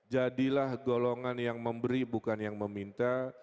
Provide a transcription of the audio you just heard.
jadilah golongan yang memberi bukan yang meminta